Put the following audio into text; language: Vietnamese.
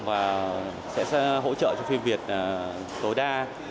và sẽ hỗ trợ cho phim việt tối đa